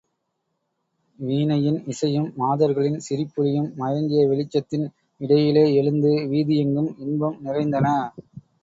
வீணையின் இசையும், மாதர்களின் சிரிப்பொலியும் மயங்கிய வெளிச்சத்தின் இடையிலே எழுந்து வீதியெங்கும் இன்பம் நிறைந்தன.